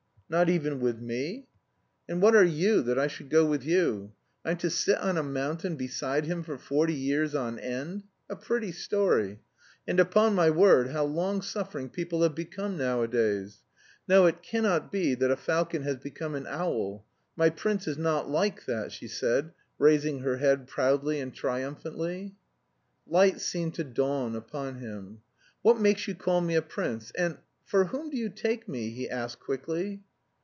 "Not even with me?" "And what are you that I should go with you? I'm to sit on a mountain beside him for forty years on end a pretty story! And upon my word, how long suffering people have become nowadays! No, it cannot be that a falcon has become an owl. My prince is not like that!" she said, raising her head proudly and triumphantly. Light seemed to dawn upon him. "What makes you call me a prince, and... for whom do you take me?" he asked quickly.